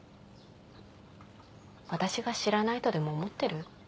私が知らないとでも思ってる？